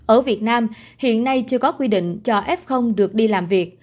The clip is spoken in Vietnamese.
ở việt nam hiện nay chưa có quy định cho f được đi làm việc